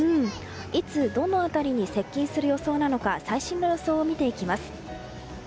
いつ、どの辺りに接近する予想なのか最新の予想を見ていきます。